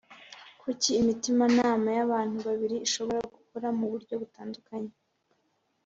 Kuki imitimanama y’ abantu babiri ishobora gukora mu buryo butandukanye